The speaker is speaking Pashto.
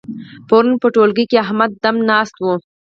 پرون په ټولګي کې احمد دم ناست وو.